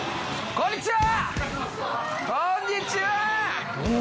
こんにちは！